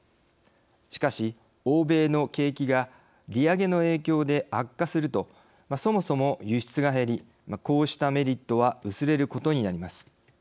しかし、欧米の景気が利上げの影響で悪化するとそもそも輸出が減りこうしたメリットは薄れることになります。